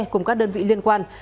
cùng các đơn vị liên quan